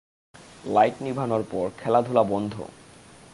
Light নিভানোর পর খেলাধুলা বন্ধ।